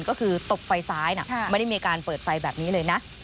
ก็คือตบไฟซ้ายไม่ได้มีการเปิดไฟแบบนี้เลยนะ